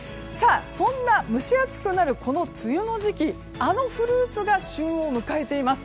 そんな蒸し暑くなるこの梅雨の時期あのフルーツが旬を迎えています。